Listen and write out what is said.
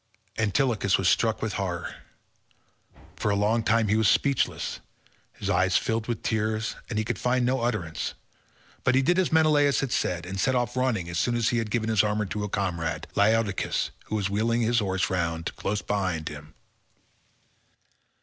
Antilochus was struck with horror. For a long time he was speechless; his eyes filled with tears and he could find no utterance, but he did as Menelaus had said, and set off running as soon as he had given his armour to a comrade, Laodocus, who was wheeling his horses round, close beside him.